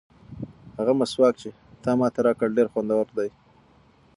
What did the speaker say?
هغه مسواک چې تا ماته راکړ ډېر خوندور دی.